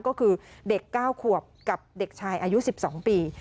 ก็คือเด็ก๙ขวบกับเด็กชายอายุ๑๒ปี